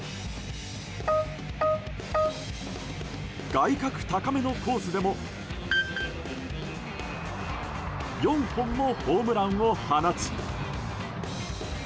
外角高めのコースでも４本もホームランを放ち。